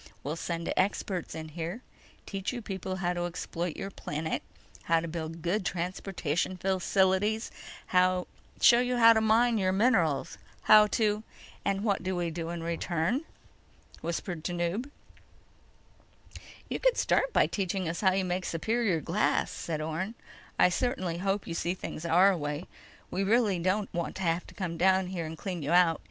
We'll send experts in here, teach you people how to exploit your planet, how to build good transportation facilities, show you how to mine your minerals, how to—" "And what do we do in return?" whispered Tanub. "You could start by teaching us how you make superior glass," said Orne. "I certainly hope you see things our way. We really don't want to have to come down there and clean you out.